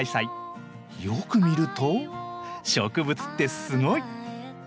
よく見ると植物ってすごい！